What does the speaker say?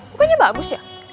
bukannya bagus ya